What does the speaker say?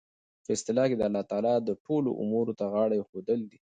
په اصطلاح کښي د الله تعالی ټولو امورو ته غاړه ایښودل دي.